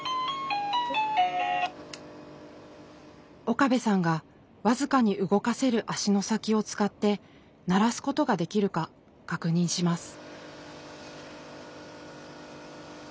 岡部さんが僅かに動かせる足の先を使って鳴らすことができるか確認します。